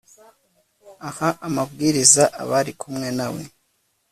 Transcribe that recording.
aha amabwiriza abari kumwe na we